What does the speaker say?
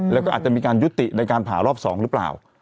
แล้วก็อาจจะมีการยุติในการผ่ารอบ๒หรือเปล่า